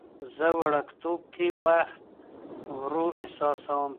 زه وړوکتوب کې وخت ورو احساسوم.